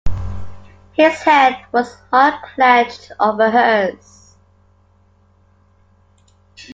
His hand was hard clenched over hers.